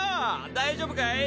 大丈夫かい？